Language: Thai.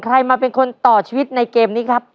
ใครมาเป็นคนต่อชีวิตในเกมนี้ครับ